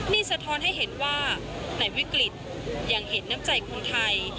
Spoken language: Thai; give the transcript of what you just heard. นี่สะท้อนให้เห็นว่าในวิกฤตยังเห็นน้ำใจคนไทย